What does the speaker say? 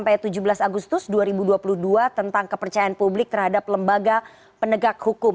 pada tujuh belas agustus dua ribu dua puluh dua tentang kepercayaan publik terhadap lembaga penegak hukum